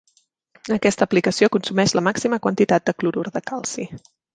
Aquesta aplicació consumeix la màxima quantitat de clorur de calci.